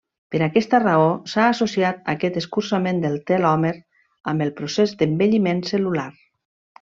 Per aquesta raó s'ha associat aquest escurçament del telòmer amb el procés d'envelliment cel·lular.